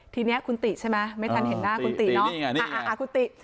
ทีนี้คุณติใช่ไหมไม่ทันเห็นหน้าคุณติเนอะคุณติ